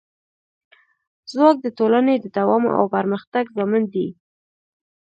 ځواک د ټولنې د دوام او پرمختګ ضامن دی.